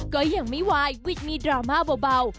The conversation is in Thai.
ก็ยังไม่ไวหวิดมีโดรมาเบา